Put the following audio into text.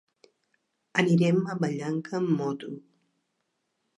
Anirem a Vallanca amb moto.